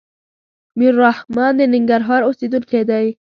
ميررحمان د ننګرهار اوسيدونکی دی.